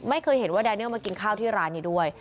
ไม่เคยเห็นว่าแดเนียลมากินข้าวที่ร้านนี้ด้วย